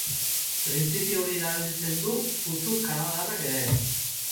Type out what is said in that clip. Printzipio hori erabiltzen du putzu kanadarrak ere.